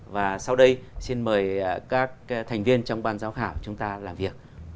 và sau đây xin mời các thành viên trong ban giám khảo chúng ta làm việc